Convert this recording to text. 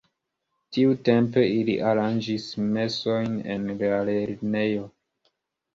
Tiutempe ili aranĝis mesojn en la lernejo.